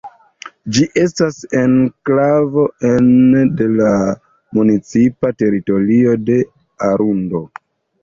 Ĝi estas enklavo ene de la municipa teritorio de Arundo.